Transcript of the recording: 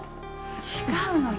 違うのよ。